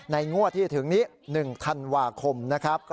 งวดที่จะถึงนี้๑ธันวาคมนะครับ